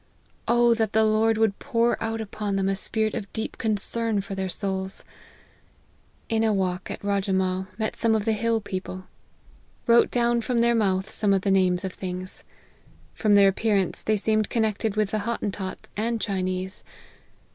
Oh ! that the Lord would pour out upon them a spirit of deep concern for their souls ! In a walk, at Rajemahl, met some of the hill people. Wrote down from their mouth some of the names of things. From their appearance, they seemed connected with the Hottentots and Chinese.